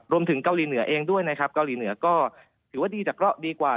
รวมถึงเกาหลีเหนือเองด้วยนะครับเกาหลีเหนือก็ถือว่าดีแต่ก็ดีกว่า